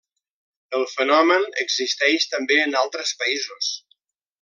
El fenomen existeix també en altres països.